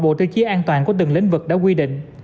bộ tiêu chí an toàn của từng lĩnh vực đã quy định